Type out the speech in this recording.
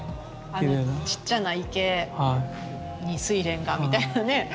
ちっちゃな池にスイレンがみたいなね